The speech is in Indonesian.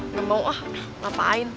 eh gak mau ah gapain